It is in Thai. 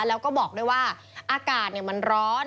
แล้วก็บอกด้วยว่าอากาศมันร้อน